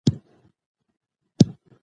موږ ټول یو ښه او خوندي افغانستان غواړو.